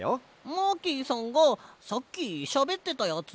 マーキーさんがさっきしゃべってたやつ？